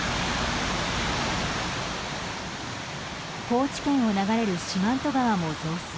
高知県を流れる四万十川も増水。